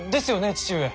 父上。